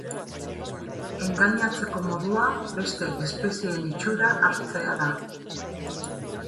Engainatzeko modua, beste espezieen itxura hartzea da.